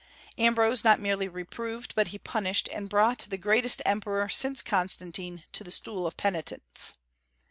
Ambrose not merely reproved, but he punished, and brought the greatest emperor, since Constantine, to the stool of penitence.